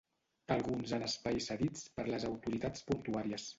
alguns en espais cedits per les autoritats portuàries